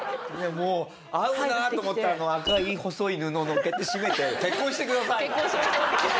もう合うなと思ってあの赤い細い布のっけて閉めて「結婚してください！」。